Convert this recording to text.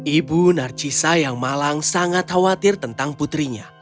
ibu narcisa yang malang sangat khawatir tentang putrinya